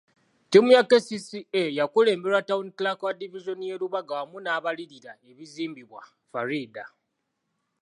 Ttiimu ya KCCA yakulemberwa Town Clerk wa divizoni y'e Lubaga wamu n'abalirira ebizimbibwa Faridah.